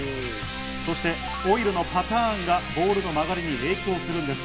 そしてオイルのパターンがボールの曲がりに影響するんです。